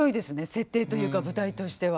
設定というか舞台としては。